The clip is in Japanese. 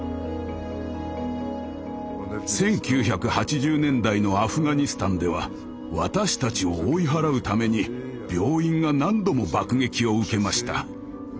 １９８０年代のアフガニスタンでは私たちを追い払うために病院が何度も爆撃を受けました。